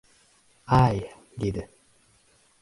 — Ay! — dedi.